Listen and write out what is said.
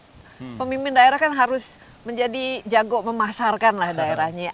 jadi kan seorang pemimpin daerah kan harus menjadi jago memasarkan daerahnya